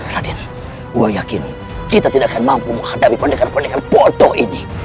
radin wah yakin kita tidak akan mampu menghadapi pendekat pendekat bodoh ini